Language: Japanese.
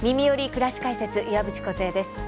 くらし解説」岩渕梢です。